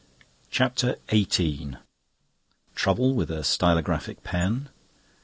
CHAPTER XVIII Trouble with a stylographic pen.